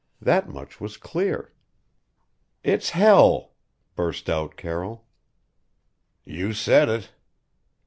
That much was clear "It's hell!" burst out Carroll. "You said it."